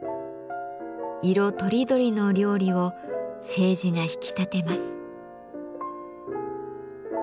色とりどりの料理を青磁が引き立てます。